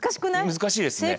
難しいですね。